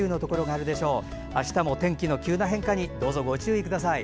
あしたも天気の急な変化にどうぞ、ご注意ください。